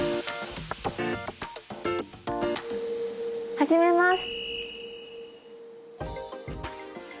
始めます。